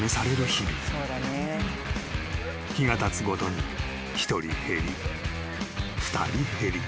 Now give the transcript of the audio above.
［日がたつごとに１人減り２人減り］